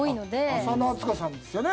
浅野温子さんですよね